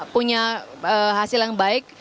punya hasil yang baik